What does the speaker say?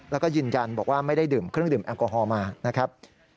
แล้วก็ยืนยันว่าไม่ได้ขึ้นดื่มอัลกอฮอลมานะครับ